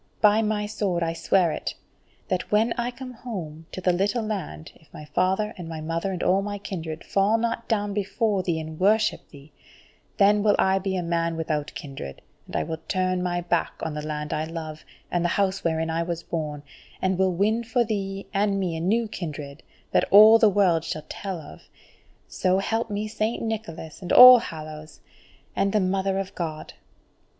By my sword I swear it, that when I come home to the little land, if my father and my mother and all my kindred fall not down before thee and worship thee, then will I be a man without kindred, and I will turn my back on the land I love, and the House wherein I was born, and will win for thee and me a new kindred that all the world shall tell of. So help me Saint Nicholas, and all Hallows, and the Mother of God!"